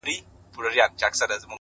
په خبرو کي خبري پيدا کيږي-